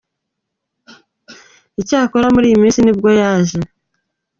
Icyakora muri iyi minsi ni bwo yaje.